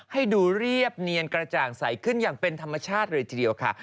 ให้ดูเรียบเนียนกระจ่างใสขึ้นอย่างเป็นธรรมชาติเลยทีเดียวค่ะ